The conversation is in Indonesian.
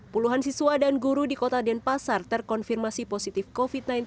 puluhan siswa dan guru di kota denpasar terkonfirmasi positif covid sembilan belas